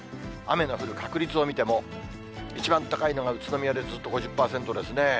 雨の降る確率を見ても、一番高いのが宇都宮でずっと５０％ですね。